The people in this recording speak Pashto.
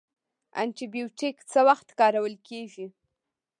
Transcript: انټي بیوټیک څه وخت کارول کیږي؟